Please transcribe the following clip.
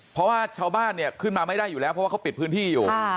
เพราะว่าชาวบ้านเนี่ยขึ้นมาไม่ได้อยู่แล้วเพราะว่าเขาปิดพื้นที่อยู่